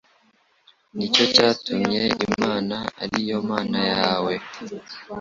ni cyo cyatumye Imana ari yo Mana yawe